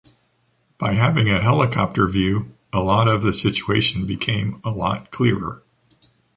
By having a helicopter view, a lot of the situation became a lot clearer.